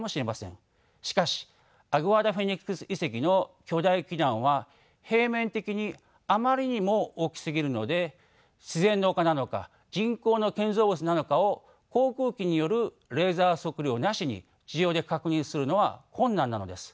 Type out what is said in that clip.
しかしアグアダ・フェニックス遺跡の巨大基壇は平面的にあまりにも大きすぎるので自然の丘なのか人工の建造物なのかを航空機によるレーザー測量なしに地上で確認するのは困難なのです。